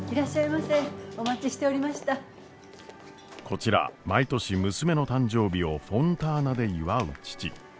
こちら毎年娘の誕生日をフォンターナで祝う父。